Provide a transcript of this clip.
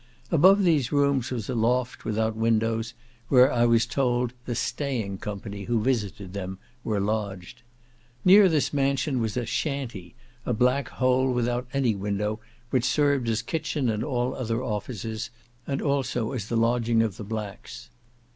Above these rooms was a loft, without windows, where I was told the "staying company" who visited them, were lodged. Near this mansion was a "shanty," a black hole, without any window, which served as kitchen and all other offices, and also as the lodging of the blacks.